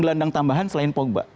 gelandang tambahan selain pogba